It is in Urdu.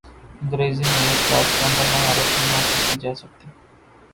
انگریزی میں ایک رات کے اندر مہارت نہیں حاصل کی جا سکتی